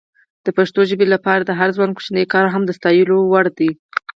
د پښتو ژبې لپاره د هر ځوان کوچنی کار هم د ستایلو وړ ده.